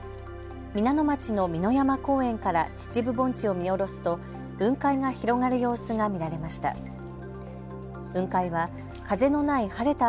皆野町の美の山公園から秩父盆地を見下ろすと雲海が広がる様子が見られました。